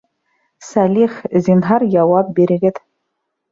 Сәлих, зинһар, яуап бирегеҙ